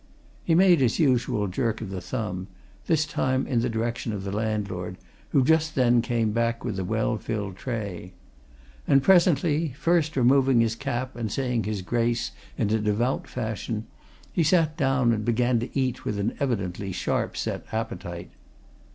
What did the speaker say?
He made his usual jerk of the thumb this time in the direction of the landlord, who just then came back with a well filled tray. And presently, first removing his cap and saying his grace in a devout fashion, he sat down and began to eat with an evidently sharp set appetite.